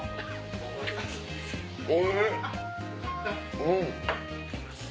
おいしい！